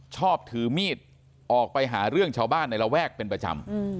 ชอบถือมีดออกไปหาเรื่องชาวบ้านในระแวกเป็นประจำ